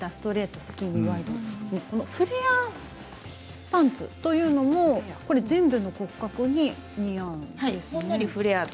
フレアパンツというのも全部の骨格に似合うんですね。